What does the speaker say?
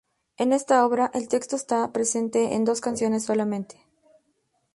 En esta obra, el texto está presente en dos canciones solamente.